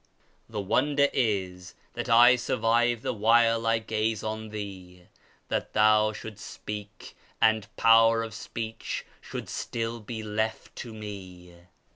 The wonder is that I survive the while I gaze on thee ; That thou should'st speak, and jjower of speech should still be left to me